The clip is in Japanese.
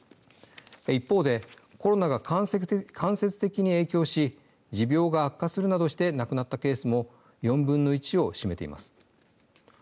一方でコロナが間接的に影響し持病が悪化するなどして亡くなったケースも４分の１を占めています。